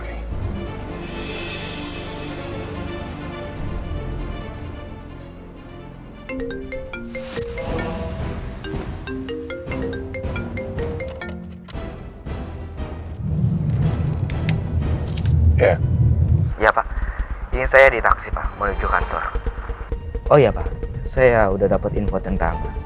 ya pak ini saya di taksi pak mau jalan kantor oh ya pak saya udah dapet info tentang